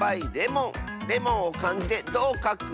レモンをかんじでどうかく？